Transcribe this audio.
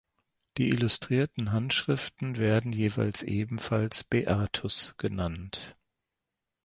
Die illustrierten Handschriften werden jeweils ebenfalls Beatus genannt.